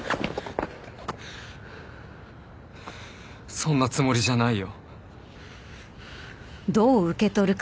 そんなつもりじゃないよ。